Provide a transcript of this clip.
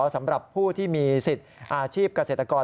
สำหรับผู้ที่มีสิทธิ์อาชีพเกษตรกร